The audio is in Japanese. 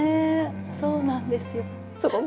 そうなんですよ。